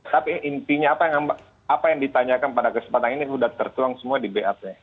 tapi intinya apa yang ditanyakan pada kesempatan ini sudah tertuang semua di bap